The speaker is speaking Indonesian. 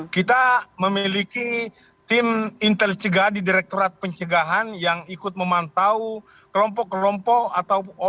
kita memiliki tim intel cegah di direkturat pencegahan yang ikut memantau kelompok kelompok atau orang orang yang tidak kuat